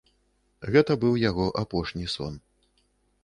Гэта быў яго апошні сон.